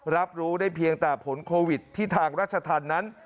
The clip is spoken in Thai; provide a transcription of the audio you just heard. รับรู้ได้เพียงแต่ผลโควิดที่ทางราชธรรมนั้น